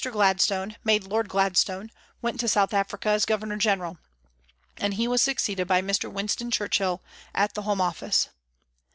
Gladstone, made Lord Gladstone, went to South Africa as Governor General, and he was succeeded by Mr. Winston Churchill at the Home Office.